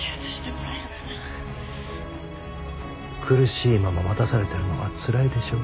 苦しいまま待たされてるのはつらいでしょ？